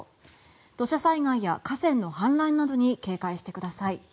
土砂災害や河川の氾濫などに警戒してください。